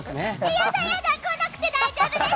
ヤダ、ヤダ来なくて大丈夫です！